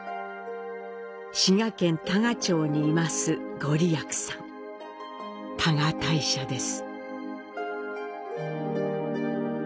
滋賀県多賀町に坐す、ごりやくさん、多賀大社です。